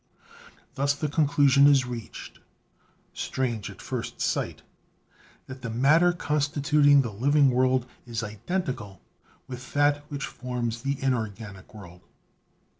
Thus the conclusion is reached, strange at first sight, that the matter constituting the living world is identical with that which forms the inorganic world.